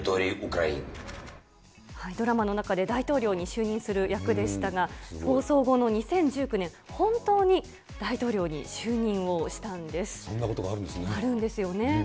ドラマの中で大統領に就任する役でしたが、放送後の２０１９年、そんなことがあるんですね。